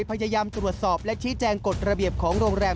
พยายามตรวจสอบและชี้แจงกฎระเบียบของโรงแรม